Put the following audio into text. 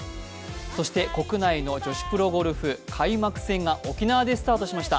そして国内の女子プロゴルフ開幕戦が沖縄でスタートしました。